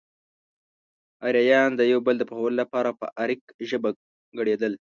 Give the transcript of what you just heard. اريايان د يو بل د پوهولو لپاره په اريک ژبه ګړېدل.